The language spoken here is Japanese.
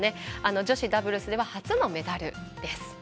女子ダブルスでは初のメダルです。